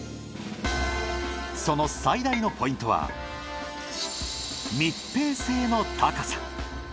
その最大のポイントは密閉性の高さ。